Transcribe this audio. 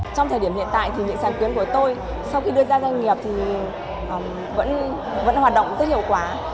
trong thời điểm hiện tại thì những sáng kiến của tôi sau khi đưa ra doanh nghiệp thì vẫn hoạt động rất hiệu quả